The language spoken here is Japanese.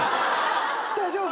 大丈夫？